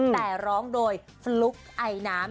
แต่ร้องโดยฟลุ๊กไอน้ำ